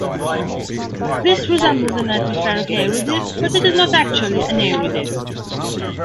This resembles an atmospheric Airy disc but is not actually an Airy disk.